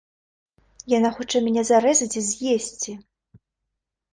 Яна хоча мяне зарэзаць і з'есці.